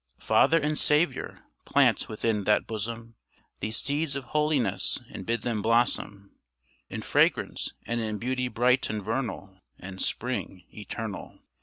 Father and Savior! plant within that bosom These seeds of holiness, and bid them blossom In fragrance and in beauty bright and vernal, And spring eternal.